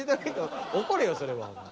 怒れよそれはお前。